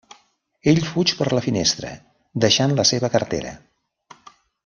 Ell fuig per la finestra, deixant la seva cartera.